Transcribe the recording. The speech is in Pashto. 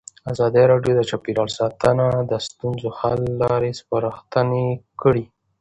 ازادي راډیو د چاپیریال ساتنه د ستونزو حل لارې سپارښتنې کړي.